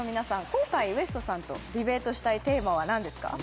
今回ＷＥＳＴさんとディベートしたいテーマは何ですか？